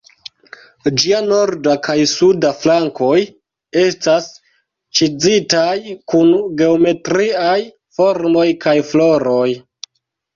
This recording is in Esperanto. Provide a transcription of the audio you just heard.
Ĝia norda kaj suda flankoj estas ĉizitaj kun geometriaj formoj kaj floroj.